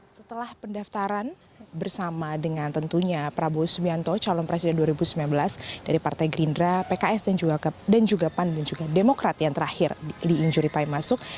setelah pendaftaran bersama dengan tentunya prabowo subianto calon presiden dua ribu sembilan belas dari partai gerindra pks dan juga pan dan juga demokrat yang terakhir di injury time masuk